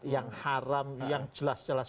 yang haram yang jelas jelas